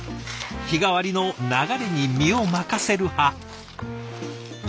日替わりの流れに身を任せる派。